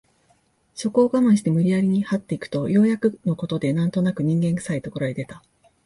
そこを我慢して無理やりに這って行くとようやくの事で何となく人間臭い所へ出た